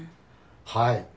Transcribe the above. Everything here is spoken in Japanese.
はい。